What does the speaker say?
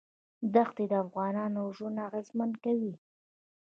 دښتې د افغانانو ژوند اغېزمن کوي.